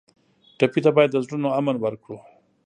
ټپي ته باید د زړونو امن ورکړو.